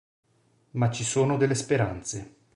Ma ci sono delle speranze.